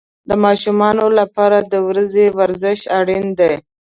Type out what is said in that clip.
د ماشومانو لپاره د ورځې ورزش اړین دی.